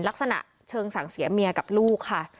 ลักษณะเชิงสั่งเสียเมียกับลูกค่ะ